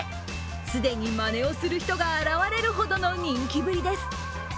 既にまねをする人が現れるほどの人気ぶりです。